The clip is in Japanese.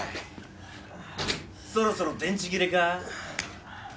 そろそろ電池切れか？